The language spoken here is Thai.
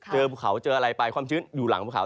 เจอภูเขาเจออะไรไปความชื้นอยู่หลังภูเขา